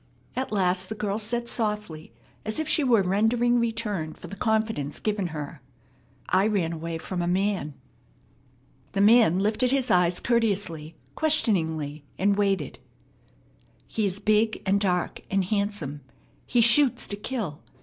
At last the girl said softly, as if she were rendering return for the confidence given her, "I ran away from a man." The man lifted his eyes courteously, questioningly, and waited. "He is big and dark and handsome. He shoots to kill.